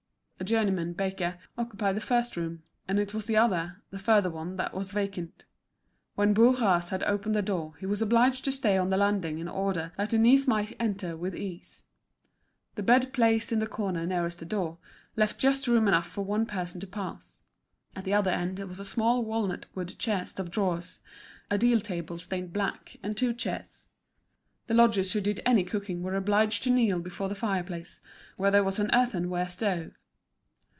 A journeyman baker occupied the first room, and it was the other, the further one, that was vacant. When Bourras had opened the door he was obliged to stay on the landing in order that Denise might enter with ease. The bed placed in the corner nearest the door, left just room enough for one person to pass. At the other end there was a small walnut wood chest of drawers, a deal table stained black, and two chairs. The lodgers who did any cooking were obliged to kneel before the fire place, where there was an earthenware stove.